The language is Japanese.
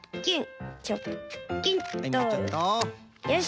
よし。